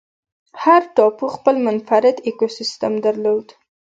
هر ټاپو خپل منفرد ایکوسیستم درلود.